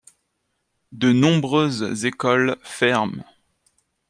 De nombreuses écoles ferment.